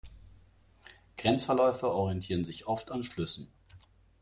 Grenzverläufe orientieren sich oft an Flüssen.